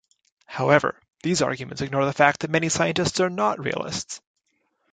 However, these arguments ignore the fact that many scientists are not realists.